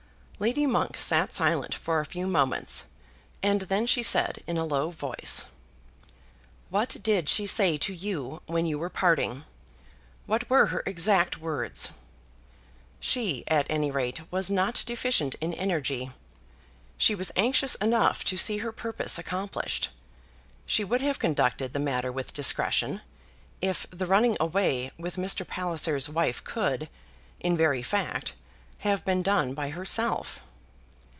Lady Monk sat silent for a few moments, and then she said in a low voice, "What did she say to you when you were parting? What were her exact words?" She, at any rate, was not deficient in energy. She was anxious enough to see her purpose accomplished. She would have conducted the matter with discretion, if the running away with Mr. Palliser's wife could, in very fact, have been done by herself.